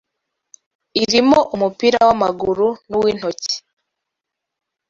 irimo umupira w’amaguru n’uw’intoki